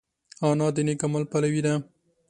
انا د نېک عمل پلوي ده